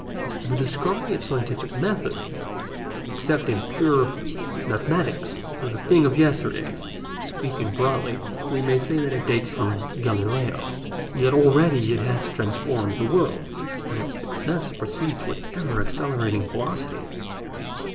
The discovery of scientific method, except in pure mathematics, is a thing of yesterday; speaking broadly, we may say that it dates from Galileo. Yet already it has transformed the world, and its success proceeds with ever accelerating velocity.